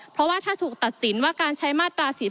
เพราะว่าถ้าถูกตัดสินว่าการใช้มาตรา๔๔